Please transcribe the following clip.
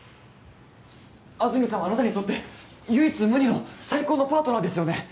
安住さんはあなたにとって唯一無二の最高のパートナーですよね？